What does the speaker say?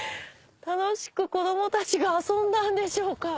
楽しく子供たちが遊んだんでしょうか？